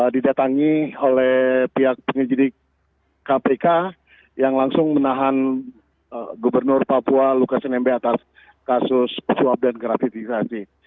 didatangi oleh pihak penyelidik kpk yang langsung menahan gubernur papua lukas nmb atas kasus suap dan gratifikasi